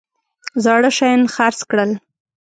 زاړه شیان خرڅ کړل.